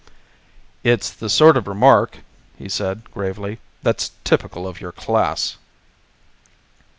"It's the sort of remark," he said gravely, "that's typical of your class."